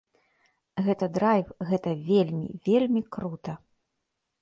Гэта драйв, гэта вельмі, вельмі крута!